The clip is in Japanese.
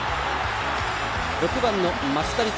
６番の増田陸。